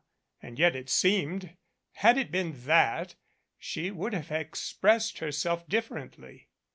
And yet it seemed, had it been that, she would have expressed herself differently.